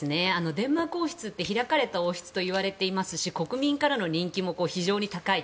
デンマーク王室って開かれた王室といわれていますし国民からの人気も非常に高い。